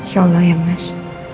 ya allah ya mas